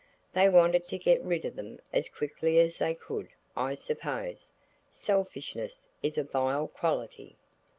They wanted to get rid of them as quickly as they could, I suppose. Selfishness is a vile quality.